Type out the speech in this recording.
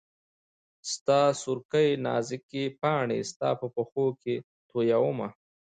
ستا سورکۍ نازکي پاڼي ستا په پښو کي تویومه